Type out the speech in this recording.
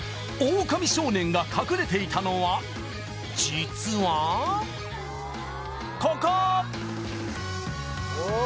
オオカミ少年が隠れていたのは実はここー！